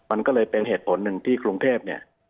มันก็เลยเป็นเหตุผลหนึ่งที่กรุงเทพเนี่ย